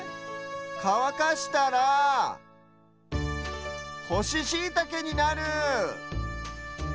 かわかしたらほしシイタケになる！